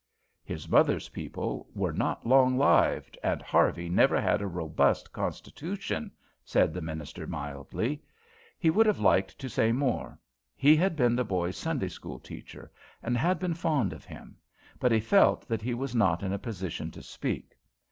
"His mother's people were not long lived, and Harvey never had a robust constitution," said the minister mildly. He would have liked to say more. He had been the boy's Sunday school teacher, and had been fond of him; but he felt that he was not in a position to speak.